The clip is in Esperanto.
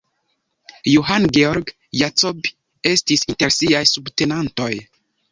Johann Georg Jacobi estis inter siaj subtenantoj.